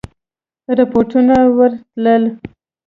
رپوټونه ورتلل.